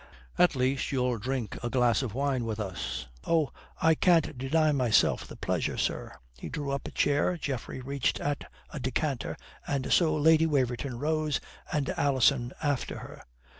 "At least you'll drink a glass of wine with us?" "Oh, I can't deny myself the pleasure, sir." He drew up a chair, Geoffrey reached at a decanter, and so Lady Waverton rose and Alison after her.